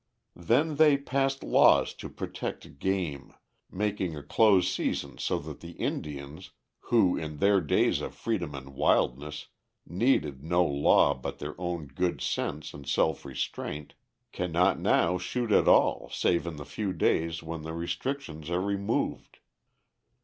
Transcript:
Then they passed laws to protect "game," making a close season so that the Indians, who, in their days of freedom and wildness, needed no law but their own good sense and self restraint, cannot now shoot at all save in the few days when the restrictions are removed.